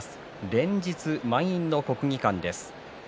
連日満員の国技館です。